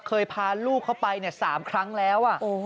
เคยพาลูกเขาไป๓ครั้งแล้ว